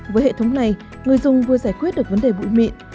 với hệ thống này người dùng vừa giải quyết được vấn đề bụi mịn